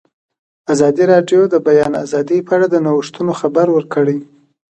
ازادي راډیو د د بیان آزادي په اړه د نوښتونو خبر ورکړی.